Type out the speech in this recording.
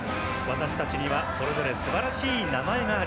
私たちにはそれぞれすばらしい名前がある。